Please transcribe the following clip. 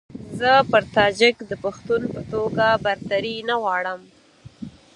زه پر تاجک د پښتون په توګه برتري نه غواړم.